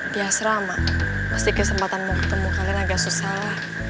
dia seram mak pasti kesempatan mau ketemu kalian agak susah